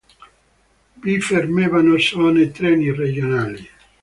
Vi fermavano solo treni regionali.